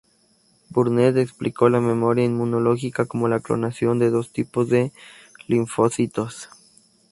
Burnett explicó la memoria inmunológica como la clonación de dos tipos de linfocitos.